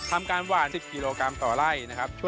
ทำการหวาน๑๐กิโลกรัมต่อไล่นะครับ